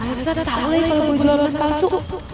alisa tak tau ya kalo gua jurnal palsu